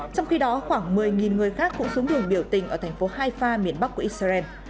trong khi đó khoảng một mươi người khác cũng xuống đường biểu tình ở thành phố hai miền bắc của israel